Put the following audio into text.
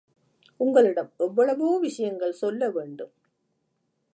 உங்களிடம் எவ்வளவோ விஷயங்கள் சொல்ல வேண்டும்.